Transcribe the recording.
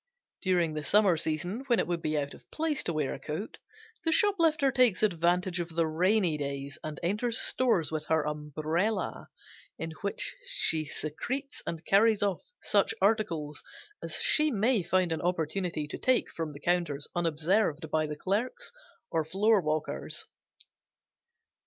During the summer season when it would be out of place to wear a coat, the shoplifter takes advantage of the rainy days and enters stores with her umbrella, in which she secretes and carries off such articles as she may find an opportunity to take from the counters unobserved by the clerks or floorwalkers.